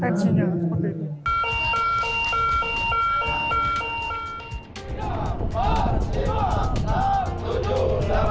tensinya seperti itu